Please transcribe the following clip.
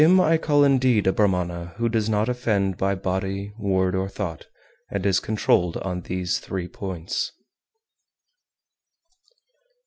391. Him I call indeed a Brahmana who does not offend by body, word, or thought, and is controlled on these three points.